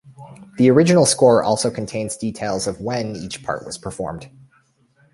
The original score also contains details of when each part was performed.